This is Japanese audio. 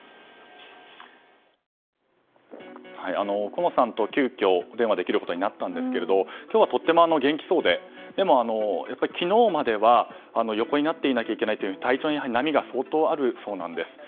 好乃さんと急きょ、お電話ができることになったんですが今日はとても元気そうででも、昨日までは横になっていなきゃいけないと体調に波があるそうなんです。